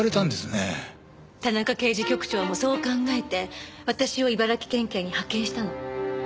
田中刑事局長もそう考えて私を茨城県警に派遣したの。